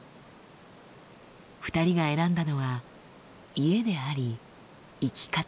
２人が選んだのは家であり生き方でした。